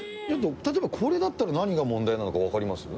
例えばこれだったら何が問題なのかわかります？